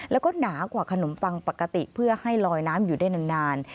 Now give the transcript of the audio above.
แล้วก็หนากว่าขนมปังปกติเพื่อให้ลอยน้ำอยู่ได้นาน